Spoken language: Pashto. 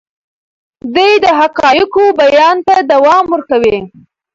دی د حقایقو بیان ته دوام ورکوي.